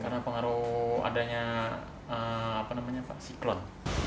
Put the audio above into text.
karena pengaruh adanya apa namanya pak siklon